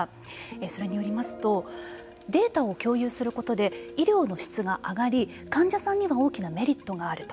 それによりますとデータを共有することで医療の質が上がり患者さんには大きなメリットがあると。